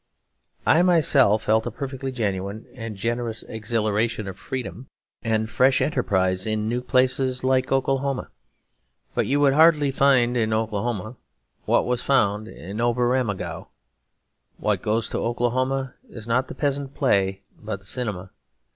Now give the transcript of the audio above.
I myself felt a perfectly genuine and generous exhilaration of freedom and fresh enterprise in new places like Oklahoma. But you would hardly find in Oklahoma what was found in Oberammergau. What goes to Oklahoma is not the peasant play, but the cinema.